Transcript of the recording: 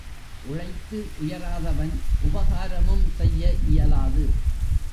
உழைத்து உயராதவன் உபகாரமும் செய்ய இயலாது.